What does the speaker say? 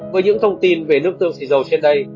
với những thông tin về nước tương xì dầu trên đây